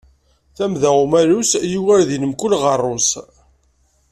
Tamda umalus yugar din mkul ɣerrus.